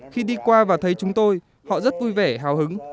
khi đi qua và thấy chúng tôi họ rất vui vẻ hào hứng